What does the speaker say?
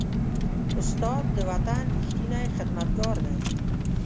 استاد د وطن ریښتینی خدمتګار دی.